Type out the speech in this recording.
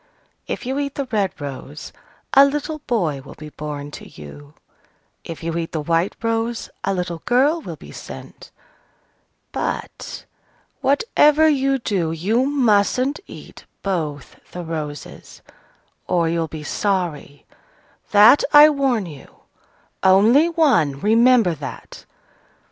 If you eat the red rose, a little boy will be born to you: if you eat the white rose, a little girl will be sent. But, whatever you do, you mustn't eat both the roses, or you'll be sorry, that I warn you! Only one: remember that!"